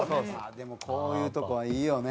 でもこういうとこはいいよね。